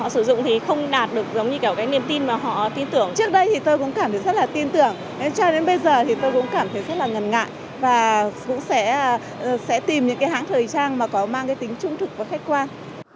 sẽ tìm những cái hãng thời trang mà có mang cái tính trung thực và khách quan